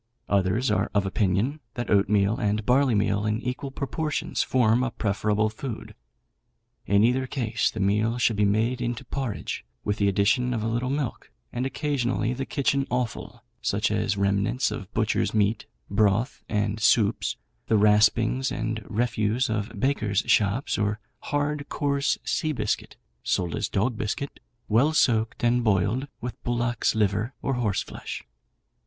Others are of opinion that oatmeal and barleymeal in equal proportions form a preferable food. In either case the meal should be made into porridge, with the addition of a little milk, and occasionally the kitchen offal, such as remnants of butchers' meat, broth, and soups, the raspings and refuse of bakers' shops, or hard, coarse, sea biscuit (sold as dog biscuit), well soaked and boiled with bullocks' liver or horseflesh.